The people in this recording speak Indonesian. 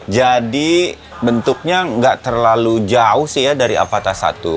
jadi bentuknya nggak terlalu jauh dari avata satu